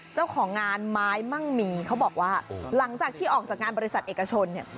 เจ้าของงานไม้มั่งมีเขาบอกว่าหลังจากที่ออกจากงานบริษัทเอกชนเนี่ย